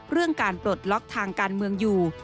เรื่องการปลดล็อกทางการเมืองอยู่